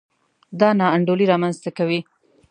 دا نا انډولي رامنځته کوي.